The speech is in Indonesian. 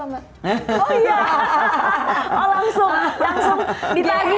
oh langsung ditagi di sini